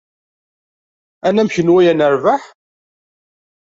Anamek n waya nerbeḥ?